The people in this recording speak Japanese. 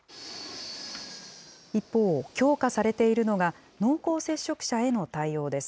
一方、強化されているのが濃厚接触者への対応です。